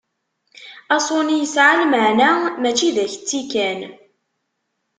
Aṣuni yesɛa lmaɛna mačči d aketti kan.